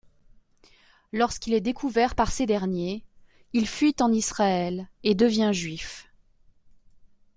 Lorsqu'il est découvert par ces derniers, il fuit en Israël et devient juif.